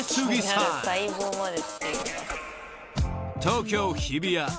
［東京日比谷］